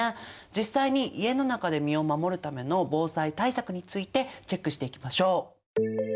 実際に家の中で身を守るための防災対策についてチェックしていきましょう。